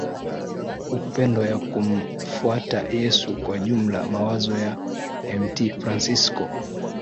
upendo ya kumfuata Yesu Kwa jumla mawazo ya Mt Fransisko